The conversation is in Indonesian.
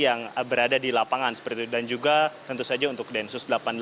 yang berada di lapangan seperti itu dan juga tentu saja untuk densus delapan puluh delapan